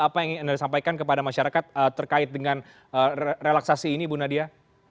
apa yang ingin anda sampaikan kepada masyarakat terkait dengan relaksasi ini bu nadia